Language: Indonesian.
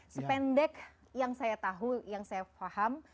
sependek yang saya tahu yang saya paham